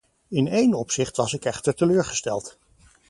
In één opzicht was ik echter teleurgesteld.